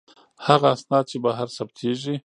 هغه اسناد چې بهر ثبتیږي.